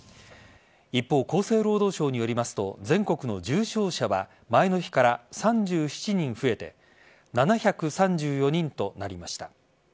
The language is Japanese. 一方、厚生労働省によりますと全国の重症者は前の日から３７人増えて７３４人となりました。